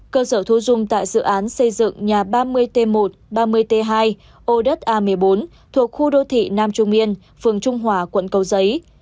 cơ sở thu dung tại dự án xây dựng nhà ba mươi t một ba mươi t hai ô đất a một mươi bốn thuộc khu đô thị nam trung yên phường trung hòa quận cầu giấy